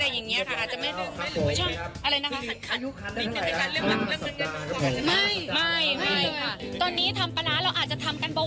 อันนี้ก็ไม่ได้อยากจะเชื่อใจเรานะ